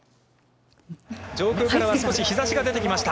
上空からは少し日ざしが出てきました。